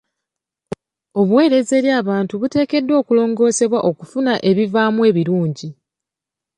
Obuweereza eri abantu buteekeddwa okulongoosebwa okufuna ebivaamu ebirungi.